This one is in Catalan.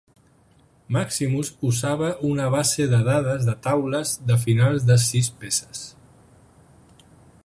Maximus usava una base de dades de taules de finals de sis peces.